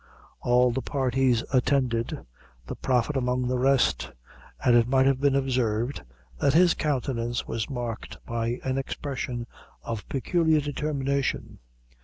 All the parties attended, the Prophet among the rest; and it might have been observed, that his countenance was marked by an expression of peculiar determination.